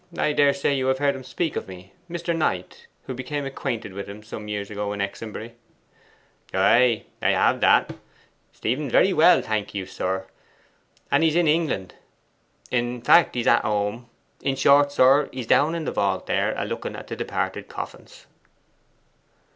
I daresay you have heard him speak of me Mr. Knight, who became acquainted with him some years ago in Exonbury.' 'Ay, that I have. Stephen is very well, thank you, sir, and he's in England; in fact, he's at home. In short, sir, he's down in the vault there, a looking at the departed coffins.